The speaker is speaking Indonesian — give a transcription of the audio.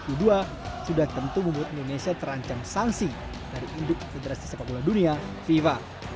pada tahun dua ribu dua puluh dua sudah tentu membuat indonesia terancam sanksi dari induk federasi sepak bola dunia fifa